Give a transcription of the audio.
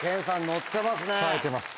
さえてます。